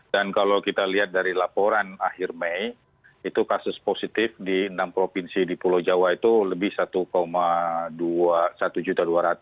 dan kalau kita lihat dari laporan akhir mei itu kasus positif di enam provinsi di pulau jawa itu lebih satu satu juta dua ratus